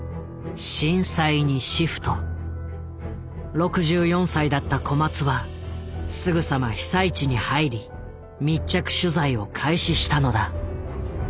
６４歳だった小松はすぐさま被災地に入り密着取材を開始したのだ。